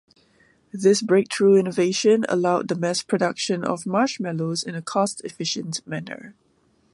This breakthrough innovation allowed the mass production of marshmallows in a cost-efficient manner.